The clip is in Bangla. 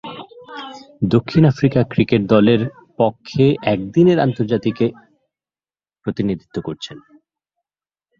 দক্ষিণ আফ্রিকা ক্রিকেট দলের পক্ষে একদিনের আন্তর্জাতিকে প্রতিনিধিত্ব করছেন।